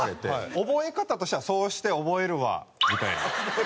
「覚え方としてはそうして覚えるわ」みたいな。